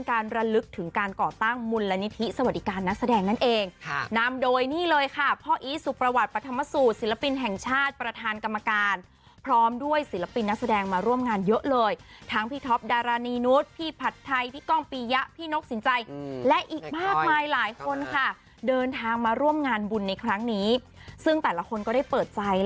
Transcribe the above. ระลึกถึงการก่อตั้งมูลนิธิสวัสดิการนักแสดงนั่นเองค่ะนำโดยนี่เลยค่ะพ่ออีทสุประวัติปธรรมสูตรศิลปินแห่งชาติประธานกรรมการพร้อมด้วยศิลปินนักแสดงมาร่วมงานเยอะเลยทั้งพี่ท็อปดารานีนุษย์พี่ผัดไทยพี่ก้องปียะพี่นกสินใจและอีกมากมายหลายคนค่ะเดินทางมาร่วมงานบุญในครั้งนี้ซึ่งแต่ละคนก็ได้เปิดใจ